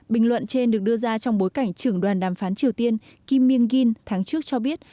bình luận trên được đưa ra trong bối cảnh trưởng đoàn đàm phán triều tiên kim mien tháng trước cho biết